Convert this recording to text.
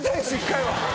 １回は。